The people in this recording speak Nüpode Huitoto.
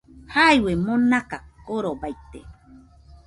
Jaiue nomaka korobaite